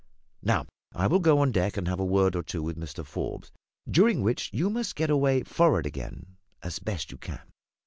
Now, I will go on deck and have a word or two with Mr Forbes, during which you must get away for'ard again, as best you can."